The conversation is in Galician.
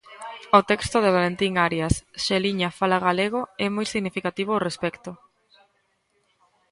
O texto de Valentín Arias 'Xeliña fala galego' é moi significativo ao respecto.